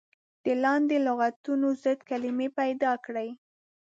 د لاندې لغتونو ضد کلمې پيداکړئ.